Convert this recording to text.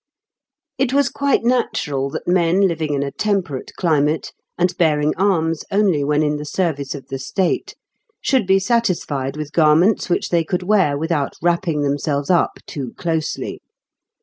] It was quite natural that men living in a temperate climate, and bearing arms only when in the service of the State, should be satisfied with garments which they could wear without wrapping themselves up too closely.